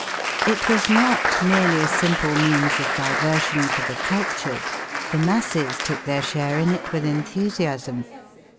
It was not merely a simple means of diversion for the cultured. The masses took their share in it with enthusiasm.